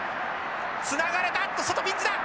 つながれた外ピンチだ！